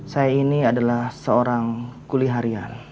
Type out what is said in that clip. saya ini adalah seorang kuliharian